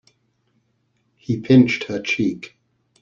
He pinched her cheek.